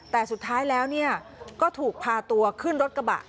แต่สุดท้ายแล้วก็ถูกพาตัวขึ้นรถกระบะ